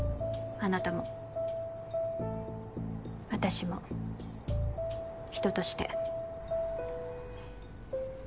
あなたも私も人として。